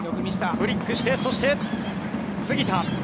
フリックしてそして杉田。